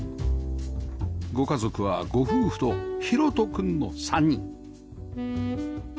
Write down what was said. ご家族はご夫婦と博翔くんの３人